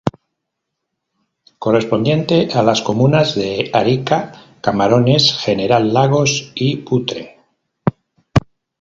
Correspondiente a las comunas de Arica, Camarones, General Lagos y Putre.